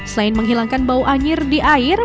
selain menghilangkan bau anjir di air